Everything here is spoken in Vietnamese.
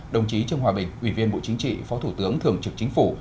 đồng chí trương hòa bình ủy viên bộ chính trị phó thủ tướng thường trực chính phủ